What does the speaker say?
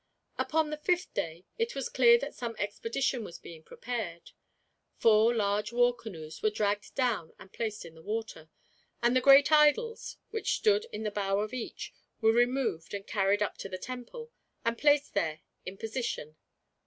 Upon the fifth day, it was clear that some expedition was being prepared. Four large war canoes were dragged down and placed in the water; and the great idols, which stood in the bow of each, were removed and carried up to the temple, and placed there in position.